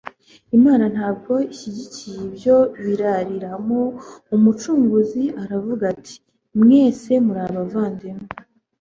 Imana ntabwo ishyigikiye ibyo birariramo. Umucunguzi aravuga ati: "Mwese muri abavandimwe."